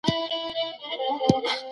زه به په راتلونکي کي خپله څېړنه خپره کړم.